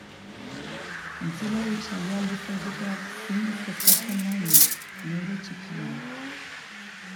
Entzuleei saioa luze egiteak zinez kezkatzen nau ni, neure txikian.